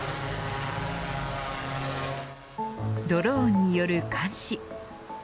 ドローンによる監視。